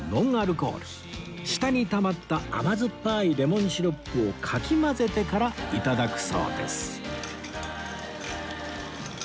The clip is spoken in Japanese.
下にたまった甘酸っぱいレモンシロップをかき混ぜてからいただくそうです